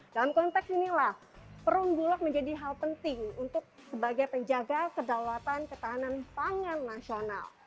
dalam konteks inilah perumbulok menjadi hal penting untuk sebagai penjaga kedaulatan ketahanan pangan nasional